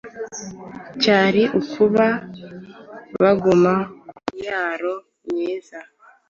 cyari ukuba baguma ku Myaro-myiza